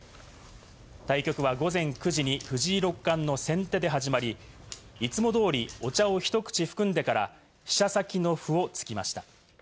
対局は午前９時に藤井六冠の先手で始まり、いつも通りお茶をひと口含んでから飛車先の歩を突きました。